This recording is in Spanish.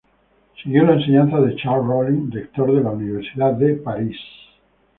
Siguió las enseñanzas de Charles Rollin, rector de la Universidad de París.